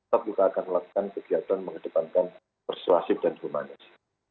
kita juga akan melakukan kegiatan mengedepankan persuasif dan permanis